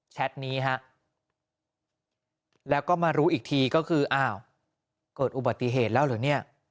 นี้ฮะแล้วก็มารู้อีกทีก็คืออ้าวเกิดอุบัติเหตุแล้วเหรอเนี่ย